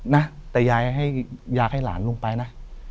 นะแต่ยายอยากให้หลานลงไปนะ